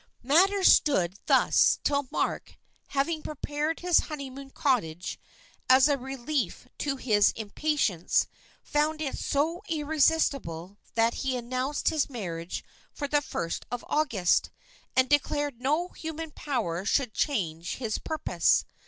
Matters stood thus till Mark, having prepared his honeymoon cottage, as a relief to his impatience, found it so irresistible that he announced his marriage for the first of August, and declared no human power should change his purpose.